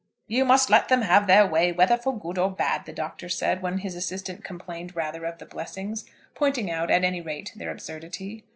"You must let them have their way, whether for good or bad," the Doctor said, when his assistant complained rather of the blessings, pointing out at any rate their absurdity.